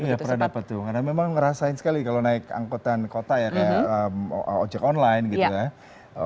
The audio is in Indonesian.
ya pernah dapat tuh karena memang ngerasain sekali kalau naik angkutan kota ya kayak ojek online gitu ya